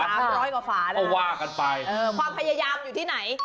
สามร้อยกว่าฝานะครับเอาว่ากันไปความพยายามอยู่ที่ไหน